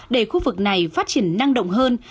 để khu vực này phát triển năng động hơn